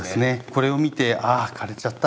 これを見て「あ枯れちゃった。